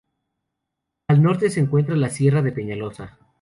Al norte se encuentra la sierra de Peñalosa.